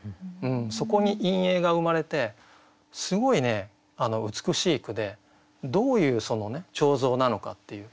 そこに陰影が生まれてすごい美しい句でどういう彫像なのかっていう。